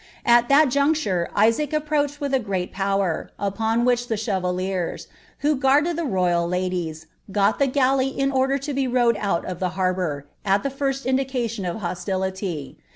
At that junrtnre Isaac appnatiol with a great power, upon which the chevaliers, who guarded the royil ladies, got the galley in order to be rowed out of (he harbour) at the Erst indication of hnjiility.